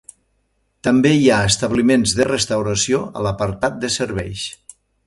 També hi ha establiments de restauració a l'apartat de serveis.